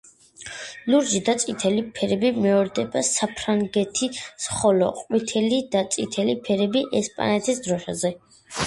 ლურჯი და წითელი ფერები მეორდება საფრანგეთის, ხოლო ყვითელი და წითელი ფერები ესპანეთის დროშაზე.